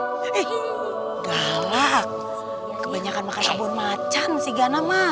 ih galak kebanyakan makan abon macem sih giana mah